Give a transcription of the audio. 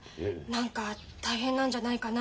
何か大変なんじゃないかな